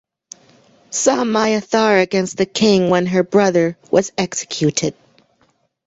Saw Mya Thar against the king when her brother was executed.